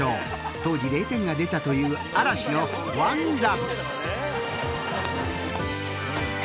当時０点が出たという嵐の「ＯｎｅＬｏｖｅ」。